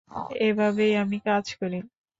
এইভাবেই আমি কাজ করি।